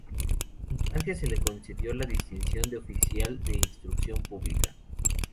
En Francia se le concedió la distinción de oficial de Instrucción Pública.